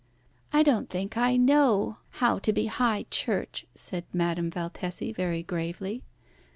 "I don't think I know how to be High Church," said Madame Valtesi very gravely.